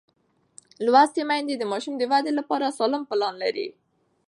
لوستې میندې د ماشوم د وده لپاره سالم پلان لري.